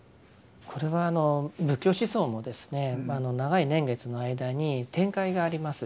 これはあの仏教思想もですね長い年月の間に展開があります。